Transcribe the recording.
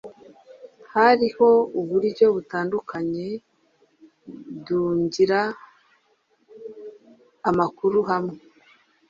Hariho uburyo butandukanye duangira amakuru hamwe